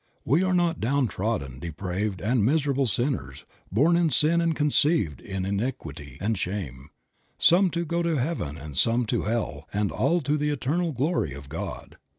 We are not down trodden, depraved and miserable sinners, born in sin and conceived in iniquity and shame, some to go to heaven and some to hell and all to the eternal glory of God.